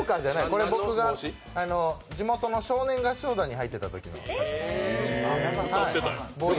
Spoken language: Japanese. これ僕が地元の少年合唱団に入ってたときの写真です。